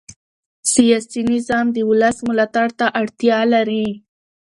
سیاسي نظام د ولس ملاتړ ته اړتیا لري